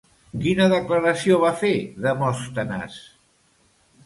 Quina declaració va fer Demòstenes?